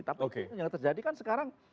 tapi yang terjadi kan sekarang